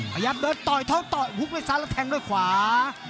พยายามเดินต่อยท้องต่อยหุบด้วยซ้ายแล้วแทงด้วยขวา